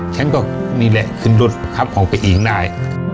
ฉันก็นี่แหละขึ้นรถขับออกไปอีกข้างได้